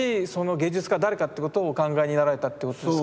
芸術家誰かっていうことをお考えになられたっていうことですか？